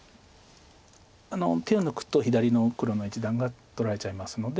手を抜くと左の黒の一団が取られちゃいますので。